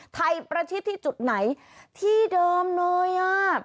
ประชิดที่จุดไหนที่เดิมเลยอ่ะ